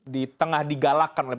di tengah digalakkan oleh